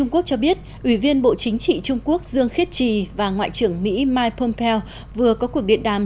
quỳ viên bộ chính trị trung quốc dương khiết trì và ngoại trưởng mỹ mike pompeo vừa có cuộc điện đàm